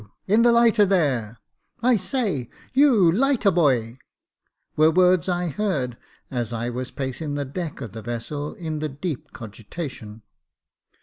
in the lighter there — I say, you lighter boyf^ were words I heard, as I was pacing the deck of the vessel in the deep cogitation.